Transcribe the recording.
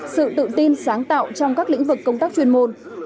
sự tự tin sáng tạo trong các lĩnh vực công tác chuyên môn